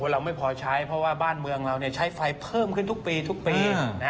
เราไม่พอใช้เพราะว่าบ้านเมืองเราใช้ไฟเพิ่มขึ้นทุกปีทุกปี